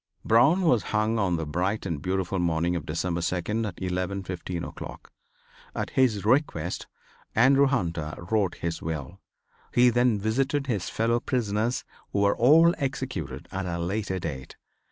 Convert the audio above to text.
Brown was hung on the bright and beautiful morning of December 2nd at 11:15 o'clock. At his request Andrew Hunter wrote his will. He then visited his fellow prisoners who were all executed at a later date.